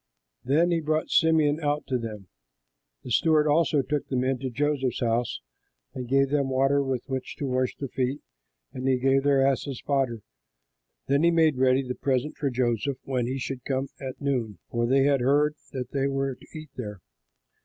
Then he brought Simeon out to them. The steward also took the men to Joseph's house and gave them water with which to wash their feet, and he gave their asses fodder. Then they made ready the present for Joseph, when he should come at noon, for they had heard that they were to eat there.